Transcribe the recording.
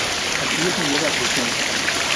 Así, es enviado a prisión.